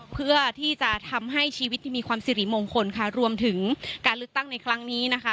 เพื่อที่จะทำให้ชีวิตที่มีความสิริมงคลค่ะรวมถึงการเลือกตั้งในครั้งนี้นะคะ